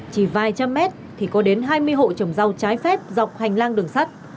chỉ vài trăm mét thì có đến hai mươi hộ trồng rau trái phép dọc hành lang đường sắt